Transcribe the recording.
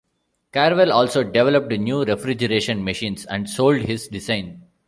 Carvel also developed new refrigeration machines and sold his designs.